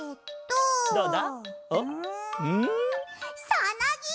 さなぎ！